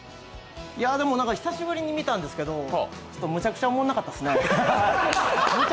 でも久しぶりに見たんですけどむちゃくちゃおもろなかったっすね。